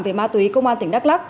về ma túy công an tỉnh đắk lắc